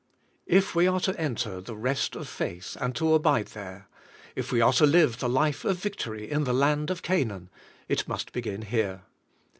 If we are to en ter into the rest of faith, and to abide there; if we are to live the life of victory in the land of Ca naan, it must begin here.